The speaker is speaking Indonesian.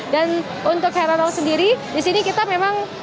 dan untuk heran of sendiri di sini kita memang